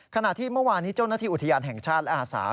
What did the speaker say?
ขณะที่เมื่อวานนี้เจ้าหน้าที่อุทยานแห่งชาติและอาสา